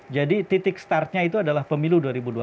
jadi titik startnya itu adalah pemilu dua ribu dua puluh empat